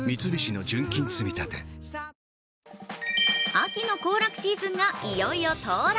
秋の行楽シーズンがいよいよ到来。